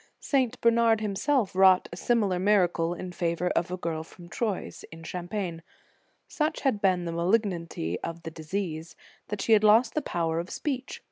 St. Bernard himself wrought a similar mir acle in favor of a girl from Troyes, in Cham pagne. Such had been the malignity of the disease, that she had lost the power of speech.